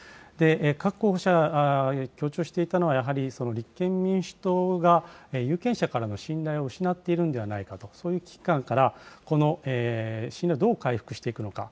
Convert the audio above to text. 各候補者が強調していたのは、やはりその立憲民主党が有権者からの信頼を失っているのではないかと、そういう危機感から、この信頼をどう回復していくのか、